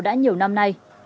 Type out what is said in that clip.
đã nhiều năm nay